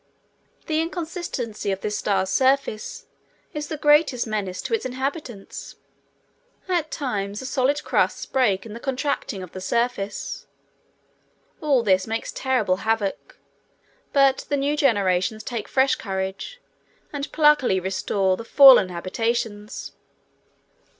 The inconstancy of this star's surface is the greatest menace to its inhabitants. At times the solid crusts break in the contracting of the surface. All this makes terrible havoc, but the new generations take fresh courage and pluckily restore the fallen habitations.